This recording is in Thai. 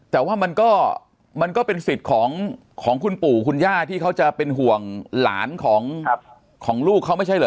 แต่ว่ามันก็เป็นสิทธิ์ของคุณปู่คุณย่าที่เขาจะเป็นห่วงหลานของลูกเขาไม่ใช่เหรอ